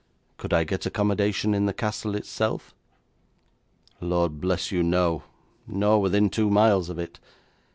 'Could I get accommodation in the castle itself?' 'Lord bless you, no! Nor within two miles of it.